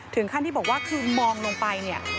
ถึงขั้นที่บอกว่าคือมองลงไปเนี่ย